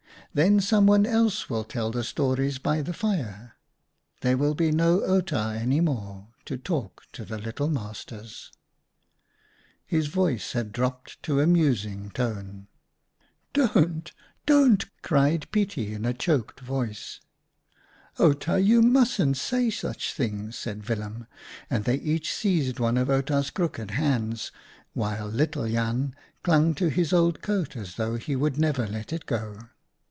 Then someone else will tell the stories by the fire : there will be no Outa any more to talk to the little masters." His voice had dropped to a musing tone. 148 OUTA KAREL'S STORIES " Don't ! Don't !" cried Pietie in a choked voice. "Outa, you mustn't say such things," said Willem, and they each seized one of Outa's crooked hands, while little Jan clung to his old coat as though he would never let it go.